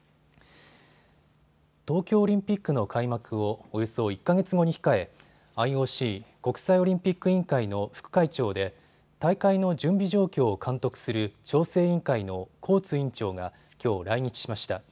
東京オリンピックの開幕をおよそ１か月後に控えＩＯＣ・国際オリンピック委員会の副会長で大会の準備状況を監督する調整委員会のコーツ委員長がきょう来日しました。